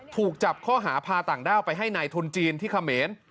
ถูกจับข้อหาพาต่างด้าวไปให้นายทุนจีนที่เขมร